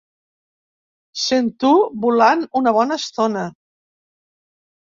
Cent u volant una bona estona.